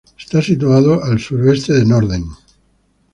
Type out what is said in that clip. Está situado al sureste de Norden.